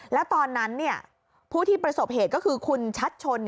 แล้วตอนนั้นผู้ที่ประสบเหตุก็คือคุณชัดชน